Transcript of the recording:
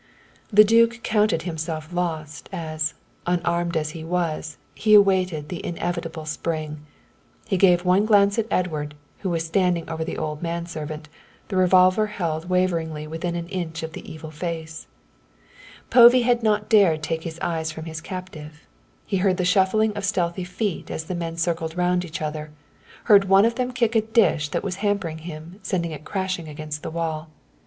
The duke counted himself lost, as, unarmed as he was, he awaited the inevitable spring. He gave one glance at Edward, who was standing over the old manservant, the revolver held waveringly within an inch of the evil face. Povey had not dared take his eyes from his captive; he heard the shuffling of stealthy feet as the men circled round each other, heard one of them kick a dish that was hampering him, sending it crashing against the wall.